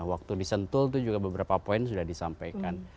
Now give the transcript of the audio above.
waktu disentuh itu juga beberapa poin sudah disampaikan